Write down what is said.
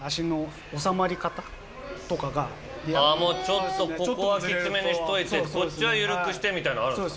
ちょっとここはキツめにしといてこっちは緩くしてみたいのあるんですか？